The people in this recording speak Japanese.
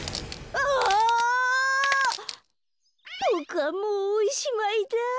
ボクはもうおしまいだ。